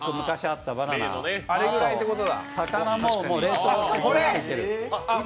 あれぐらいってことだ。